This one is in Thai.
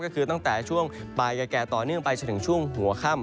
ก็คือตั้งแต่ช่วงปลายแก่ต่อเนื่องไปจนถึงช่วงหัวค่ำ